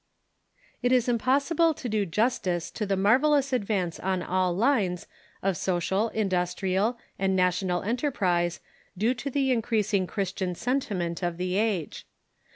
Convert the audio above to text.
It is impossible to do justice to the marvellous advance on all lines of social, industrial, and national enterprise due to the increasing Christian sentiment of the age.